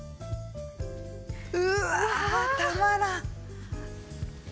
うわたまらん。